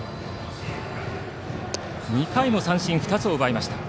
２回も三振２つを奪いました。